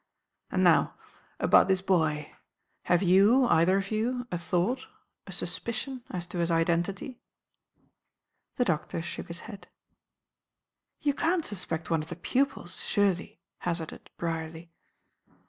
And now, about this boy. Have you, either of you, a thought, a suspicion, as to his identity?" The doctor shook his head. "You can't suspect one of the pupils, surely?" hazarded Brierly.